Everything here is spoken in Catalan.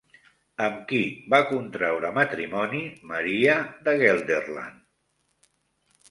Amb qui va contraure matrimoni Maria de Gelderland?